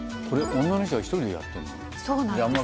これ女の人が１人でやってんの？